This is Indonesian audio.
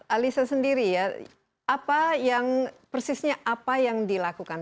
alisa sendiri ya apa yang persisnya apa yang dilakukan